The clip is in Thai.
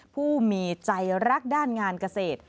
ผู้มีใจรักด้านงานเกษตร